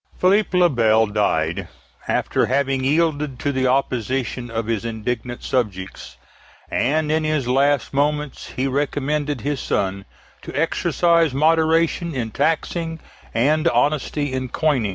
Philippe le Bel died, after having yielded to the opposition of his indignant subjects, and in his last moments he recommended his son to exercise moderation in taxing and honesty in coining.